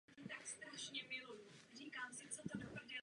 Nejvyšší soutěž klub nikdy nehrál.